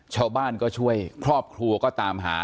ชาวบ้านก็ช่วยครอบครัวก็ตามหา